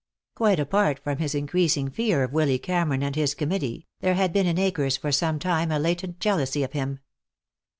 Quite apart from his increasing fear of Willy Cameron and his Committee, there had been in Akers for some time a latent jealousy of him.